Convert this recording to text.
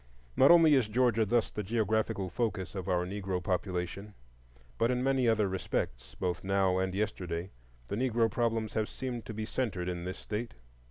Not only is Georgia thus the geographical focus of our Negro population, but in many other respects, both now and yesterday, the Negro problems have seemed to be centered in this State.